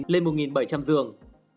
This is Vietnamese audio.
lên một bảy trăm linh giường